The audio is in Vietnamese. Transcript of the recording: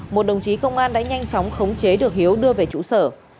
một đồng chí công an đã nhanh chóng khống chế được hiếu đưa về trụ sở